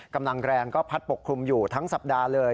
กำลังแรงก็พัดปกคลุมอยู่ทั้งสัปดาห์เลย